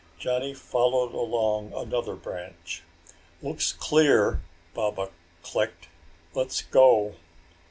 Johnny followed along another branch. "Looks clear," Baba clicked. "Let's go!"